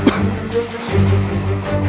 aku tidak mau membunuhmu